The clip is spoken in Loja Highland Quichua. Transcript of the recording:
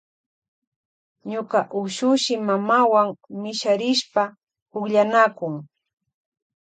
Ñuka ushushi mamawan misharishpa pukllanakun.